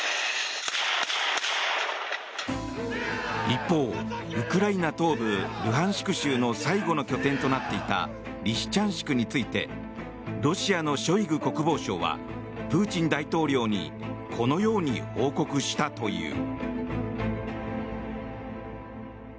一方ウクライナ東部ルハンシク州の最後の拠点となっていたリシチャンシクについてロシアのショイグ国防相はプーチン大統領にこのように報告したという。